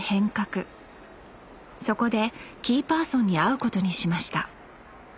そこでキーパーソンに会うことにしました